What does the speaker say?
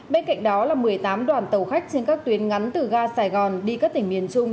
bên cạnh đó là một mươi tám đoàn tàu khách trên các tuyến ngắn từ ga sài gòn đi các tỉnh miền trung